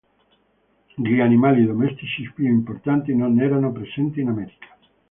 Gli animali domestici più importanti non erano presenti in America.